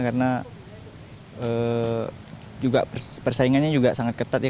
karena persaingannya juga sangat ketat ya